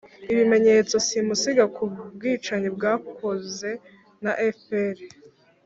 ibimenyetso simusiga ku bwicanyi bwakoze na fpr